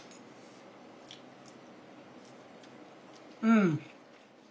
うん！